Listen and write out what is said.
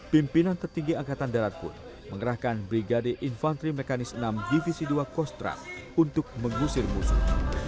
pimpinan tertinggi angkatan darat pun mengerahkan brigade infantri mekanis enam divisi dua kostrat untuk mengusir musuh